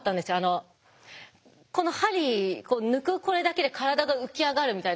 この針抜くこれだけで体が浮き上がるみたいな。